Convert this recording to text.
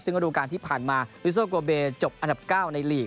ซึ่งก็ดูการที่ผ่านมาวิสเซอร์โกเบจบอันดับเก้าในลีก